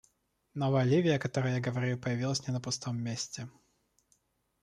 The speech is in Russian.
Новая Ливия, о которой я говорю, появилась не на пустом месте.